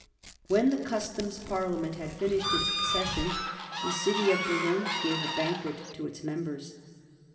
When the Customs Parliament had finished its session, the city of Berlin gave a banquet to its members.